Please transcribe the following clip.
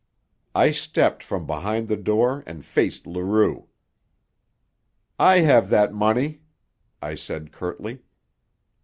I stepped from behind the door and faced Leroux. "I have that money," I said curtly.